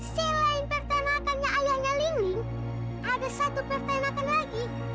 selain pertanakannya ayahnya ling ling ada satu pertanakan lagi